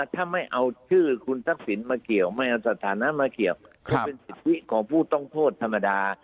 ถ้าไม่เอาชื่อคุณทักษิณมาเกี่ยวไม่เอาสถานะมาเกี่ยวก็เป็นสิทธิของผู้ต้องโทษธรรมดา